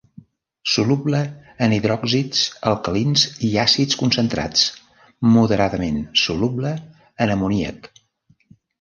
Soluble en hidròxids alcalins i àcids concentrats, moderadament soluble en amoníac.